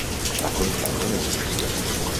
Va contraure la infecció?